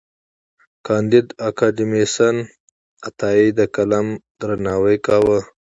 کانديد اکاډميسن عطايي د قلم درناوی کاوه.